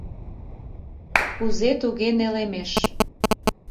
— Кузе-туге нелемеш?